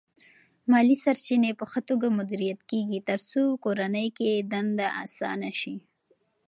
مالی سرچینې په ښه توګه مدیریت کېږي ترڅو کورنۍ کې دنده اسانه شي.